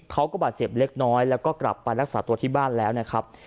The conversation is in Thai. เขาก็บาดเจ็บเล็กน้อยแล้วก็กลับไปรักษาตัวที่บ้านแล้วนะครับ